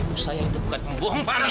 ibu saya itu bukan pembohong pak hamid